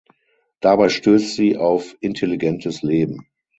Dabei stößt sie auf intelligentes Leben.